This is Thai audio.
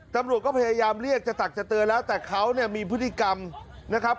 ตำรวจก็พยายามเรียกจะตักจะเตือนแล้วแต่เขาเนี่ยมีพฤติกรรมนะครับ